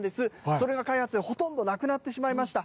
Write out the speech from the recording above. それが開発でほとんどなくなってしまいました。